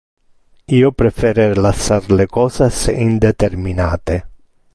Io prefere lassar le cosas indeterminate.